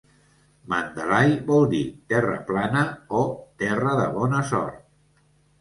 Mandalay vol dir 'Terra Plana' o 'Terra de bona sort'.